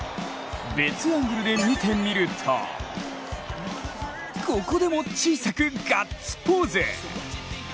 別アングルで見てみるとここでも小さくガッツポーズ。